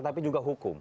tapi juga hukum